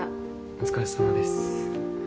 お疲れさまです。